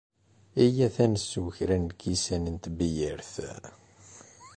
Iyyat ad nsew kra n lkisan n tebyirt.